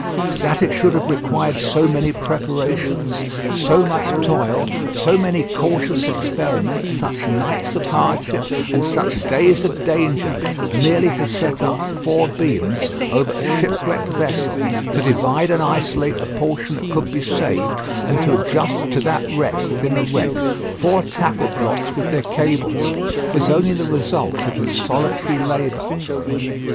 That it should have required so many preparations, so much toil, so many cautious experiments, such nights of hardship, and such days of danger, merely to set up four beams over a shipwrecked vessel, to divide and isolate the portion that could be saved, and to adjust to that wreck within a wreck four tackle blocks with their cables was only the result of his solitary labour.